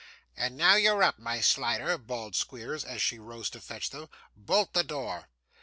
'And now you're up, my Slider,' bawled Squeers, as she rose to fetch them, 'bolt the door.